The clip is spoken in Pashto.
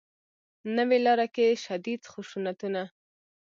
نوې لاره کې شدید خشونتونه